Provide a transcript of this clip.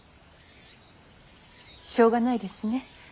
しょうがないですね。